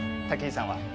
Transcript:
武井さんは。